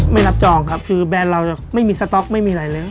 ไม่รับจองครับคือแบรนด์เราจะไม่มีสต๊อกไม่มีอะไรเลย